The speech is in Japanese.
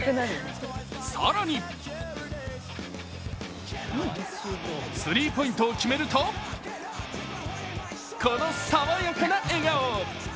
更に、スリーポイントを決めると、この爽やかな笑顔。